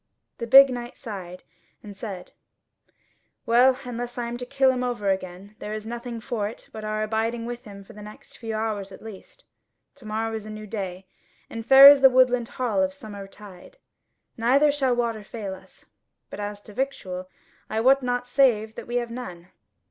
The big knight sighed, and said: "Well, unless I am to kill him over again, there is nothing for it but our abiding with him for the next few hours at least. To morrow is a new day, and fair is the woodland hall of summer tide; neither shall water fail us. But as to victual, I wot not save that we have none."